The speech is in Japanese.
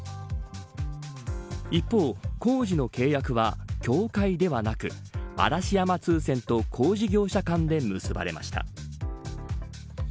一方、工事の契約は協会ではなく嵐山通船と工事業者間で結ばれました。